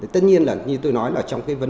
tất nhiên như tôi nói là trong vấn đề chữa bệnh